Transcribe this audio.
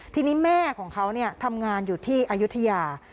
ทีนี้แม่ของเขาทำงานอยู่ที่อายุทยา